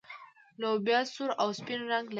لوبیا سور او سپین رنګ لري.